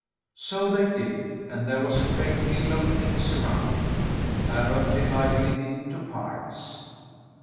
So they did, and there was a great hill of things around it. Harald divided it into piles.